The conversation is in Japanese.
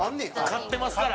勝ってますから。